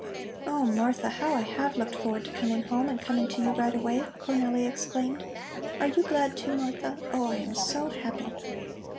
"Oh, Martha, how I have looked forward to coming home and coming to you right away!" Cornelli exclaimed. "Are you glad, too, Martha? Oh, I am so happy!"